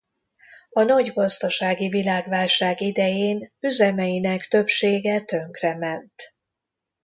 A nagy gazdasági világválság idején üzemeinek többsége tönkrement.